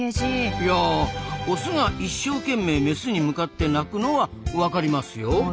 いやオスが一生懸命メスに向かって鳴くのはわかりますよ。